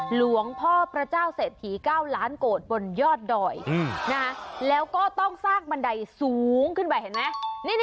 หลวงพ่อพระเจ้าเศรษฐี๙ล้านโกรธบนยอดดอยแล้วก็ต้องสร้างบันไดสูงขึ้นไปเห็นไหม